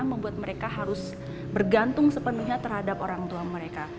membuat mereka harus bergantung sepenuhnya terhadap orang tua mereka